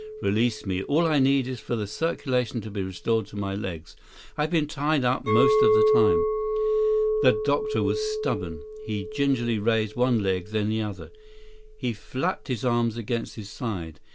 "Release me. All I need is for the circulation to be restored to my legs. I've been tied up most of the time." The doctor was stubborn. He gingerly raised one leg, then the other. He flapped his arms against his sides.